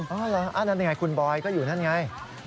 อ๋อเหรอนั่นอย่างไรคุณบอยก็อยู่นั่นไง